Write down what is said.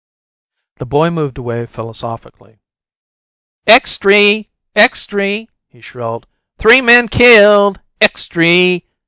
The boy moved away philosophically. "Extry! Extry!" he shrilled. "Three men killed! Extry!